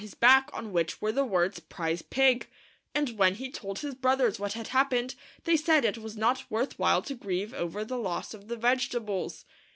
his back on which were the words PRIZE PIG; and when he told his brothers what had happened, they said it was not worth while to grieve over the loss of the vegetables.